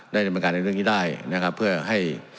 ดำเนินการในเรื่องนี้ได้นะครับเพื่อให้